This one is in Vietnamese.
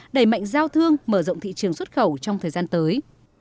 đẩy mạnh giao thương mở rộng thị trường xuất khẩu trong thời gian tới